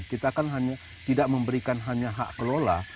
kita kan hanya tidak memberikan hanya hak kelola